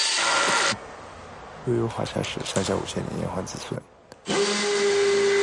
悠悠华夏史上下五千年炎黄子孙